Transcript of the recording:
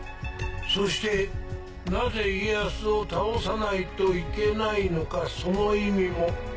そしてなぜ家康を倒さないといけないのかその意味も。